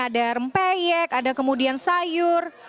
ada rempeyek ada kemudian sayur